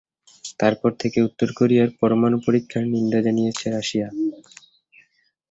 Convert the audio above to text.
তারপর থেকে উত্তর কোরিয়ার পরমাণু পরীক্ষার নিন্দা জানিয়েছে রাশিয়া।